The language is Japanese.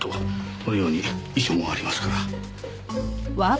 このように遺書もありますから。